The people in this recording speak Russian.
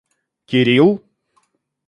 Кирилл